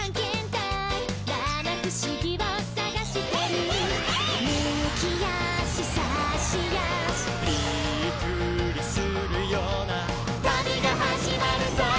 「旅が始まるぞ！」